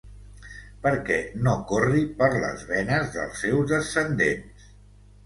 Perquè no corri per les venes dels seus descendents!